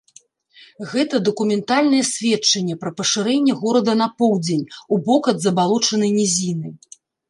Гэта дакументальнае сведчанне пра пашырэнне горада на поўдзень, у бок ад забалочанай нізіны.